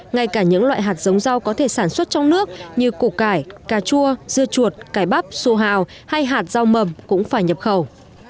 ngay cả những loại hạt giống rau có thể sản xuất trong nước như củ cải cà chua dưa chuột cải bắp xua hào hay hạt rau mầm cũng phải nhập khẩu